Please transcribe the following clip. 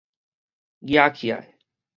徛起來